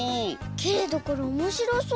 けれどこれおもしろそう。